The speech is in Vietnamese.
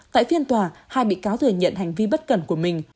tại phiên tòa hai bị cáo thừa nhận hành vi bất cần của mình